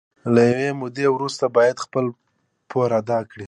له یوې مودې وروسته باید خپل پور ادا کړي